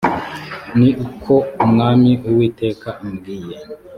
ni ko umwami uwiteka ambwiye